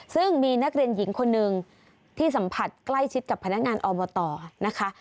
ซึ่งมีนักเรียนหญิงคนหนึ่งที่สัมผัสใกล้ชิดกับพนักงานอบตนะคะ